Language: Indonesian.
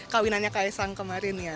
kawinannya kaisang kemarin ya